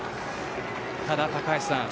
ただ、高橋さん。